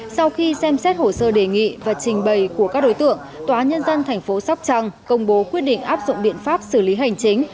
sau khi xem xét hồ sơ đề nghị và trình bày của các đối tượng tòa nhân dân tp sóc trăng công bố quyết định áp dụng biện pháp xử lý hành chính